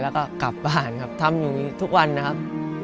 แล้วก็กลับบ้านครับทำอยู่ทุกวันนะครับ